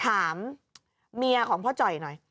ถามเมียของพ่อจ่อยหน่อย